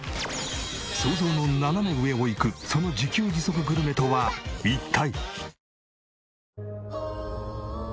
想像の斜め上をいくその自給自足グルメとは一体！？